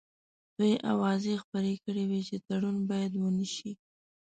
دوی اوازې خپرې کړې وې چې تړون باید ونه شي.